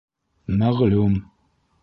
Мәғлүм.